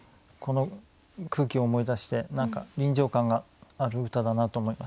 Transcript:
この空気を思い出して臨場感がある歌だなと思いました。